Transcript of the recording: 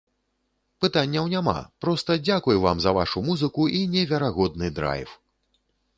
Пытанняў няма, проста дзякуй вам за вашу музыку і неверагодны драйв!